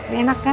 ini enak kan